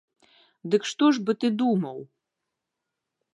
Дык што ж бы ты думаў?